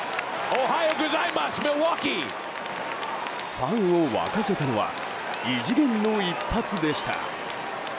ファンを沸かせたのは異次元の一発でした。